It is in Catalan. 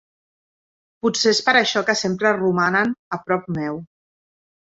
Potser és per això que sempre romanen a prop meu.